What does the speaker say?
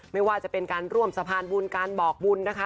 ไม่ว่าจะเป็นการร่วมสะพานบุญการบอกบุญนะคะ